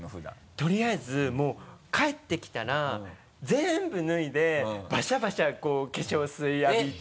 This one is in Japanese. とりあえず帰ってきたら全部脱いでバシャバシャ化粧水浴びて。